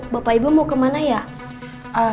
bapak ibu mau kemana ya